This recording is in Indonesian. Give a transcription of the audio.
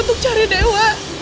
untuk cari dewa